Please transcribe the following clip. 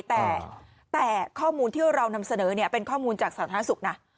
แต่ข้อมูลที่เรานำเสนอเป็นข้อมูลจากสาธารณสุขนะ